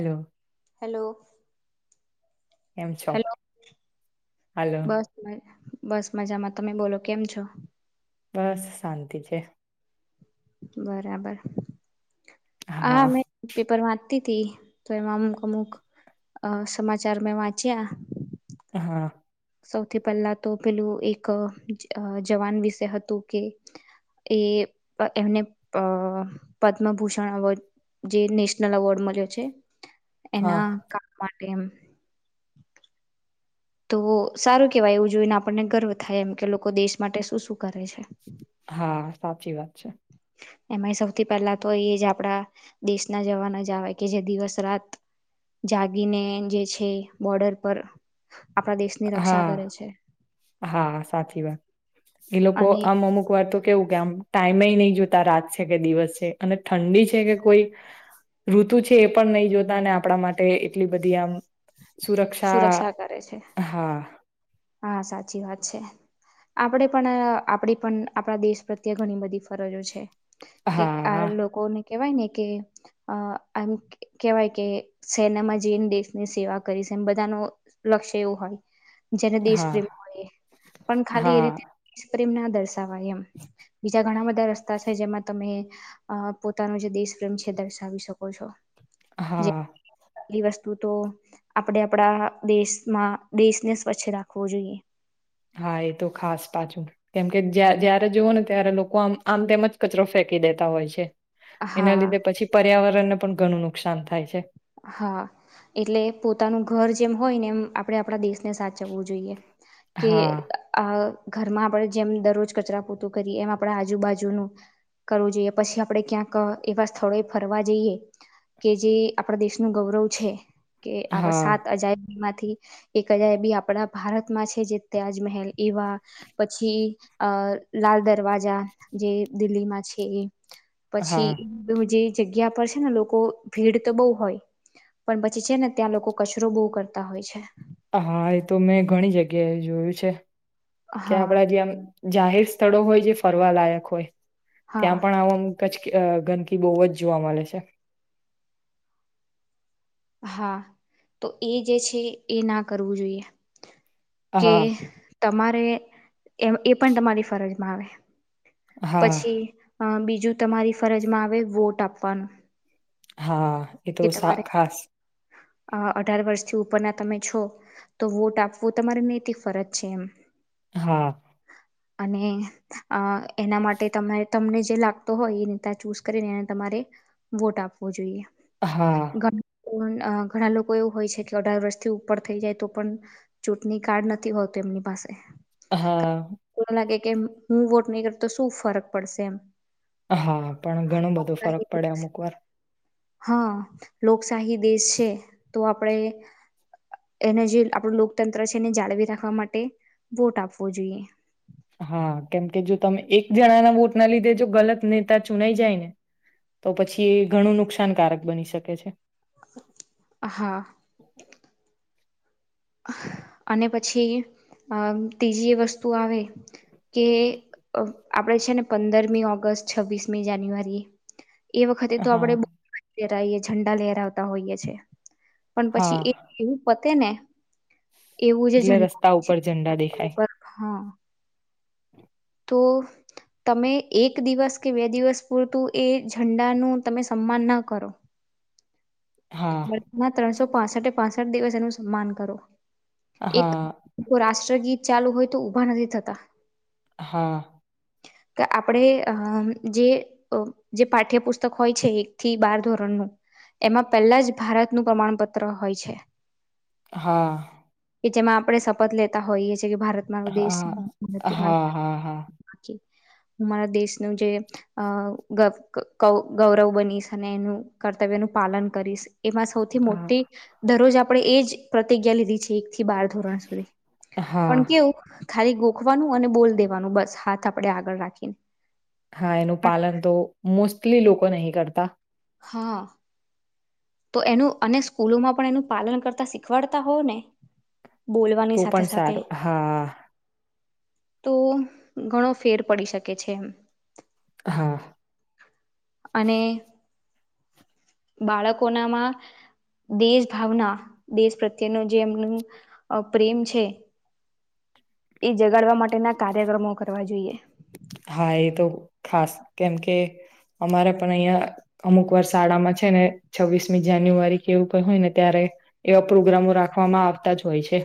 Hello. Hello. એમ છો. Hello hello. બસ બસ મજામાં. તમે બોલો કેમ છો? બસ શાંતિ છે. બરાબર. હા મે પેપરમાં થી તો એમાં અમુક અમુક અ સમાચાર મેં વાંચ્યા હા. સૌથી પહેલા તો પેલું એક જવાન વિષ હતું કે એ એમને અ પદ્મભૂષણ અવોર્ડ જે નેશનલ એવોર્ડ મળ્યો છે. હા એના ક એમ તો સારું કેવાય એવું જોઈને આપણને ગર્વ થાય એમ કે લોકો દેશ માટે શું શું કરે છે. હા સાચી વાત છે. એમાં સૌથી પહેલા તો એ જ આપણા દેશના જવાનો જ આવે કે જે દિવસ રાત જાગીને જે છે બોર્ડર પર આપણા દેશની રક્ષા હા કરે છે. હા સાચી વાત એ લોકો અને આમ અમુક વાર તો કેવું કે આમ ટાઈમે નહી જોતા રાત છે કે દિવસ છે અને ઠંડી છે કે કોઈ ઋતુ છે એ પણ નહીં જોતા અને આપણા માટે એટલી બધી આમ સુરક્ષા કરે છે હા હા સાચી વાત છે. આપણે પણ આપણી પણ આપણા દેશ પ્રત્યે ઘણી બધી ફરજો છે. કે હા આ હા લોકોને કેવાય ને કે અ આમ કેવાય કે સેનામાં જઈને દેશની સેવા કરી છે, એમ બધા ન લક્ષ્ય એવું હોય. જેને દેશ પ્રેમ હા હોય પણ ખાલી એ રીતે પ્રેમ ના દર્શાવાય એમ બીજા ઘણા બધા રસ્તા છે જેમાં તમે પોતાનો જે દેશ પ્રેમ છે દર્શાવી શકો છો. જે હા વસ્તુ તો આપણે આપણા દેશમાં દેશને પછી રાખવો જોઈએ. હા એ તો ખાસ પાછું કેમકે જ્યારે જુઓો ને ત્યારે લોકો આમ આમ તેમજ કચરો ફેંકી દેતા હોય છે. એના હા લીધે પછી પર્યાવરણ પણ ઘણું નુકસાન થાય છે હા એટલે પોતાનું ઘર જેમ હોય ને એમ આપણે આપણા દેશને સાચવવું જોઈએ કે હા, આ ઘરમાં આપણે જેમ દરરોજ કચરા પૂતું કરીએ એમ આપણે આજુબાજુનું કરવું જોઈએ પછી આપણેે ક્યાંક એવા સ્થળોએ ફરવા જઈએ કે જે આપણા દેશનું ગૌરવ છે કે આપડ હા, સાત અજાય માંથી એકજ બી આપડા ભારતમાં છે જે ત્યાજ મહેલ એવા પછી અ લાલ દરવાજા જે દિલ્હીમાં છે. હા, પછી જે જગ્યા પર છે ને લોકો ભીડ તો બહુ હોય પણ પછી છે ને ત્યાં લોકો કચરો બહુ કરતા હોય છે હા એ તો મેં ઘણી જગ્યાએ જોયું છે કે હા આપણા જેમ જાહેર સ્થળો હોય જે ફરવા લાયક હોય હા ત્યાં પણ આવમ કચ્છ ગંદકી બહુ જ જોવા મળે છે હા તો એ જે છે એ ના કરવું જોઈએ કે હા, તમારા એ પણ તમારી ફરજમાં આવે હા, પછી હા બીજું જો તમારી ફરજમાં આવે વોટ આપવાનું હા એ તો કે સા તમારે ખાસ અ અઢાર વર્ષથી ઉપરના તમે છો તો વોટ આપવો તમારે નૈતિક ફરજ છે એમ હા અને અ એના માટે તમે તમને જે લાગતો હોય એ નેતા ચૂઝ કરીને એને તમારે વોટ આપવો જોઈએ હા ઘણા લોકો એવું હોય છે કે અઢાર વર્ષથી ઉપર થઈ જાય તો પણ ચૂંટણી કાર્ડ નથી હોતું એમની પાસે હા લાગે કે હું વોટ નહીં કર તો શું ફરક પડશે એમ હા પણ ઘણું બધો ફરક પડે અમુક વાર હા લોકશાહી દેશ છે તો આપણે એને જે આપણું લોકતંત્ર છે એને જાળવી રાખવા માટે વોટ આપવો જોઈએ હા કેમકે જો તમે એક જણાના વોટ ના લીધે જો ગલત નેતા ચુનાઈ જાય ને તો પછી એ ઘણું નુકસાનકારક બની શકે છે હા અને પછી અ ત્રીજી એ વસ્તુ આવે કે આપણે છે ને પંદરમી ઓગસ્ટ છવ્વીસમી જાન્યુઆરી એ વખતે તો હા. આપડે બહુ એ ઝંડા લેરાવતા હોઈએ છીએ પણ પછી હા એવું પ તેને એટલે રસ્તા ઉપર ઝંડા દેખાય હા તો તમે એક દિવસ કે બે દિવસ પૂરતું એ ઝંડાનું તમે સન્માન ના કરો હા દના ત્રણસો પાસઠ પાસઠ દિવસ એનું સન્માન કરો એક હા રાષ્ટ્ર રાષ્ટ્રગીત ચાલુ હોય તો ઉભા નથી થતા, હા કે આપણે અ જે પાઠ્યપુસ્તક હોય છે, એક થી બાર ધોરણનું એમાં પહેલા જ ભારતનું પ્રમાણપત્ર હોય છે. હા કે જેમાં આપણે શપથ લેતા હોઈએ છીએ, કે ભારત મારો દેશ હા ભાર હા મા હા હા બાકી હ મારા દેશનું જે અ ગૌરવ બનીશ અને એનું કર્તવ્યનું પાલન કરીશ એમાં સૌથી હા મોટી દરરોજા આપણે એ જ પ્રતિજ્ઞા લીધી છે, થી બાર ધોરણ સુધી હા પણ કેવું, ખાલી ગોખવાનું અને બોલ દેવાનું બસ હાથ આપે આગળ રાખીને, હા, એનું પાલન તો મોસ્ટલી લોકો નહી કરતા. હા તો એનું અને સ્કૂલોમાં પણ એનું પાલન કરતા શીખવાડતા હોવ ને, બોલવાની તો સાથે પણ સાથે સારું હા. તો ઘણો ફેર પડી શકે છે, એમ હા અને બાળકોનામાં દેશ ભાવના દેશ પ્રત્યે ન જે એમનું પ્રેમ છે, એ જગાડવા માટેના કાર્યક્રમો કરવા જોઈએ. હા એ તો ખાસ કેમ કે અમારે પણ અહં અમુક વાર શાળામાં છે, ને છવ્વીસમી જાન્યુઆરી કે એવું ક હોય ને ત્યારે એવા પ્રોગ્રામો રાખવામાં આવતા જ હોય છે.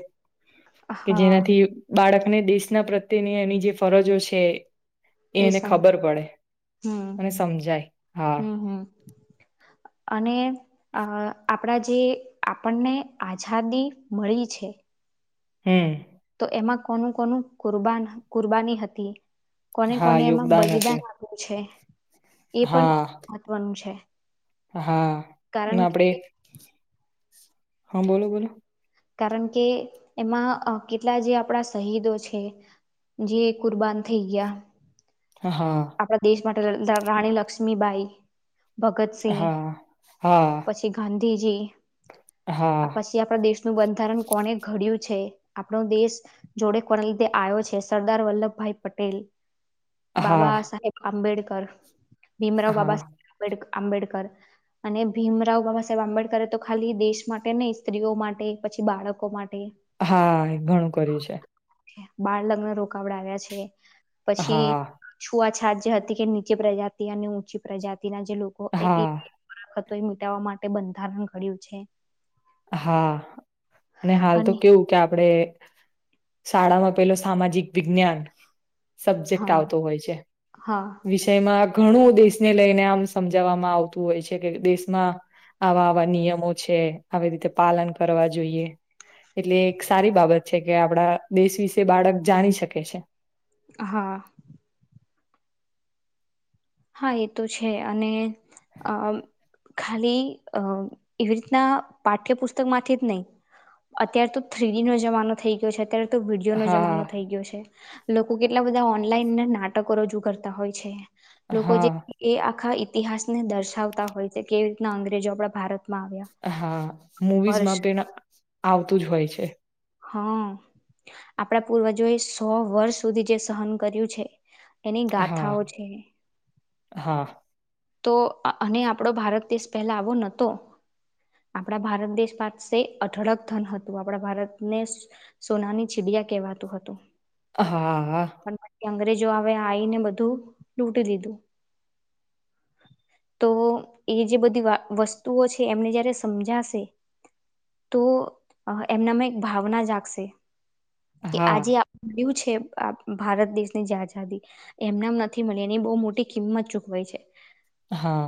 કે હા જેનાથી બાળક અને દેશના પ્રત્યેની એની જે ફરજો છે. છે એ સમ હમ્મ અને સમજાય હા હમ્મ અને આ આપડા જે આપણને આઝાદી મળી છે. હમ્મ તો એમાં કોનું કોનું કુરબ કુરબાની હતી, કોને હા કોને એમાં યોગદાન હતું બલિદાન આપ્યું છે, એ પણ હા મહત્વનું છે હા, અને કારણ આપડે કે હા, બોલો બોલો કારણ કે એમાં કેટલા જે આપણા શહીદો છે, જે કુરબાન થઈ ગયા હ હા આપણા દેશ માટે રાણી લક્ષ્મીબાઈ ભગતસિંહ હા હા જી જી હા પછી આપણા દેશ નું બંધારણ કોને ઘડ્યું છે આપણો દેશ જોડે કોને લીધે આવ્યો છે સરદાર વલ્લભભાઈ પટેલ હા બાબા આંબેડકર ભીમરાવ હા બાબા સાહેબ આંબેડકર આંબેડકર અને ભીમરાવ બાબા સાહેબ આંબેડકરે તો ખાલી દેશ માટે નહી સ્ત્રીઓ માટે પછી બાળકો માટે હા ઘણું કર્યું છે બાળ લગ્ન રોકાવડા આવ્યા છે હા આ છાત જે હતી કે નીચે પ્રજાતિ અને ઊંચી પ્રજાતિ જે લોકો હા તો એ મટાવા માટે બંધારણ ઘડ્યું છે હા અને હાલ તો કેવું કે આપડે શાળામાં પેલો સામાજિક વિજ્ઞાન સબ્જેક્ટ હા આવતો હોય છે હા વિષયમાં ઘણું દેશને લઈને આમ સમજાવવામાં આવતું હોય છે કે દેશમાં આવા આવા નિયમો છે આવી રીતે પાલન કરવા જોઈએ એટલે એક સારી બાબત છે કે આપડા દેશ વિશે બાળક જાણી શકે છે હા હા એ તો છે અને અ ખાલી અ એવી રીતના પાઠ્યપુસ્તક માંથી જ નહીિ અત્યાર તો થ્રીડી નો જમાનો થઈ ગયો છે અત્યારે તો વિીડયો નો જમાનો હા થઈ ગયો છે લોકો કેટલા બધા ઓનલાઈન નાટકો રજૂ કરતા હોય છે લોકો હા જે એ આખા ઇતિહાસને દર્શાવતા હોય છે કેવી રીતના અંગ્રેજો આપણા ભારત હા મુવીઝમાં પણ આવતું જ હોય છે હા આપડા પૂર્વજો એ સો વર્ષ સુધી જે સહન કર્યું છે એની હા ગાથાઓ છે હા તો અને આપણો ભારત દેશ પહેલા આવો નહતો આપણા ભારત દેશ પાસે અઢળક ધન હતું આપણા ભારતને સોનાની ચીડિયા કહેવાતું હતું હા હા પણ પછી અંગ્રેજો આવે આવીને બધું લૂટી દીધું તો એ જે બધી વસ્તુઓ છે એમને જયારે સમજાશે તો એમનામાં એક ભાવના જાગશે કે હા આજે આપ મળ્યું છે ભારત દેશની જે આઝાદી એમને નથી મળી એની બહુ મોટી કિંમત ચૂકવાઈ છે હા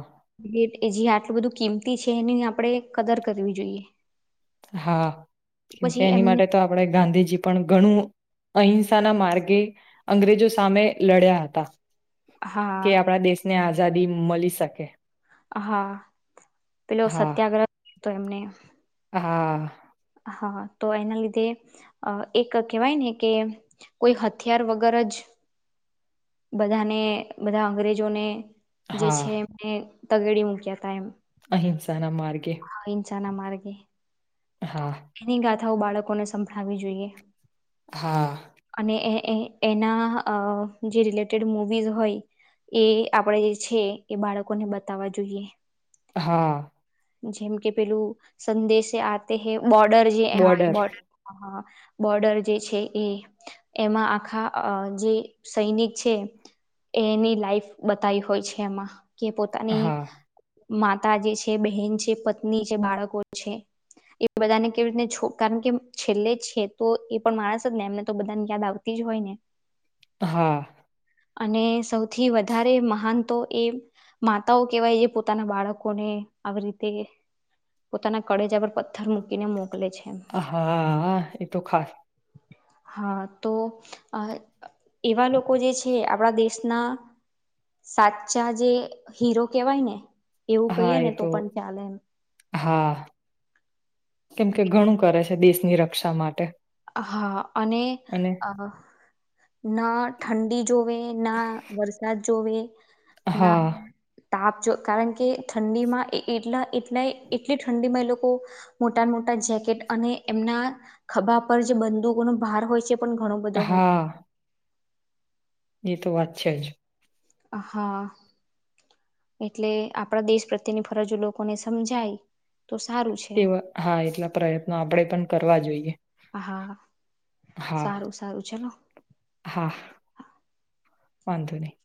એ જે આટલું બધું કિંમતી છે એની આપણે કદર કરવી જોઈએ હા કેમકે પછી એની એમને માટે તો આપણે ગાંધીજી પણ ઘણું અહિંસાના માર્ગે અંગ્રેજો સામે લડ્યા હતા. કે હા આપણા દેશને આજ. ઝદી મળી શકે હા પેલો હા સત્યાગ્રહ તો એમને હા. હા તો એના લીધે એક કેહેવાય ને કે કોઈ હથિયાર વગર જ બધાને બધા અંગ્રેજોને જે હા છે એને તગડી મૂક્યા હતા એમ અહિંસા ના માર્ગે ચના માર્ગે હા. એની બાળકોને સંભળાવવી જોઈએ હા [inaudible] એ એના જે રિલેટેડ મુવીઝ હોય એ આપણે જે છે એ બાળકોને બતાવવા જોઈએ હા જેમ કે પેલું સંદેશ આ તે બોર્ડર જે હા એ બોર્ડર બર્ડર બોર્ડર જે છે એ એમાં આખા જે સૈનિક છે એની લાઈફ બતાવી હોય છે એમાં કે પોતાની હા માતા જે છે બહેન છે પત્ની છે બાળકો છે એ બધાને કેવી રીતને છ કારણ કે છેલ્લે છે તો એ પણ માણસ જ ને એમને તો બધાને યાદ આવતી જ હોય ને હા અને સૌથી વધારે મહાન તો એ માતાઓ કેહેવાય જે પોતાના બાળકોને આવી રીતે પોતાના કળેજા પર પથ્થર મૂકીને મો હા એતો ખાસ હા તો અ એવા લોકો જે છે આપણા દેશના સાચા જે હીરો કેહેવાય ને એવું કહીએ હા એ ને તો પણ ચાલેમ હા કેમ કે ઘણું કરે છે દેશની રક્ષા માટે હા અને અને અ ના ઠંડી જોવે ના વરસાદ જોવી. ના હા તાપ જો કારણ કે ઠંડીમાં એટલા એટલા એટલી ઠંડીમાં એ લોકો મોટા મોટા જેકેટ અને એમના ખભા ઉપ જે બંદૂકોનો ભાર હોય છે પણ ઘણો બધો હોય હા જાય એ તો વાત છે જ હા એટલે આપણા દેશ પ્રત્યેની ફરજો લોકોને સમજાય તો સારું છે એવા હા એટલા પ્રયત્નો આપણેે પણ કરવા જોઈએ હા હા સારું સારું ચલો હા વાંધો નહી